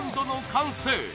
完成